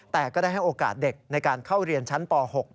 แต่ก็ได้ให้โอกาสเด็กในการเข้าเรียนชั้นป๖